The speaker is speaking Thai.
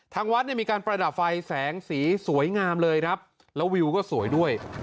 ทางวัดเนี่ยมีการประดับไฟแสงสีสวยงามเลยครับแล้ววิวก็สวยด้วย